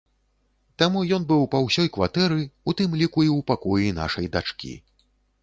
Таму ён быў па ўсёй кватэры, у тым ліку і ў пакоі нашай дачкі.